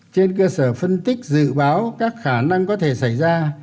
trên cơ sở phân tích dự báo các khả năng có thể xảy ra